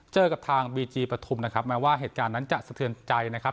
เจอกับทางบีจีปฐุมนะครับแม้ว่าเหตุการณ์นั้นจะสะเทือนใจนะครับ